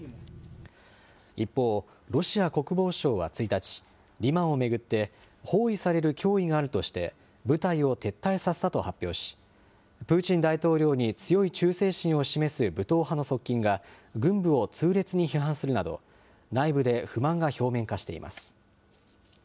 一方、ロシア国防省は１日、リマンを巡って包囲される脅威があるとして、部隊を撤退させたと発表し、プーチン大統領に強い忠誠心を示す武闘派の側近が軍部を痛烈に批判するなど、内部で不満が表面化しています。